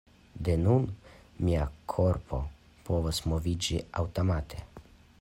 De nun, mia korpo povas moviĝi aŭtomate.